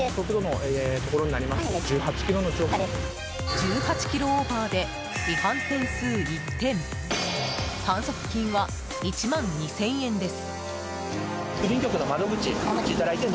１８キロオーバーで違反点数１点反則金は１万２０００円です。